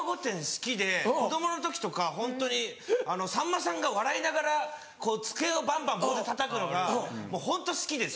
好きで子供の時とかホントにさんまさんが笑いながら机をバンバン棒でたたくのがもうホント好きで。